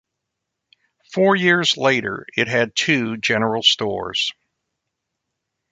Four years later it had two general stores.